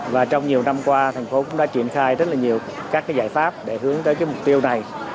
và trong nhiều năm qua thành phố cũng đã triển khai rất là nhiều các cái giải pháp để hướng tới cái mục tiêu này